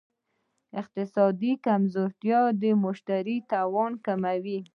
اقتصادي کمزورتیا د مشتري توان کموي.